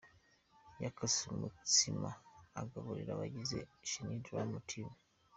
Yakase umutsima agaburira abagize Shekinah Drama Team.